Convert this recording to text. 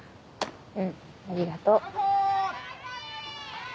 うんありがとう。